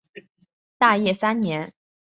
大业三年。